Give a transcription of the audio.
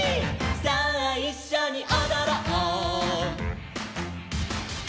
さあいっしょにおどろう」